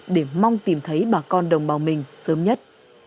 để mong tìm thấy bà con đồng bào mình sớm nhất